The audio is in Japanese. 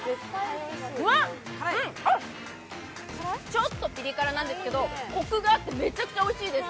ちょっとピリ辛なんですけれどもコクがあってめちゃくちゃおいしいです。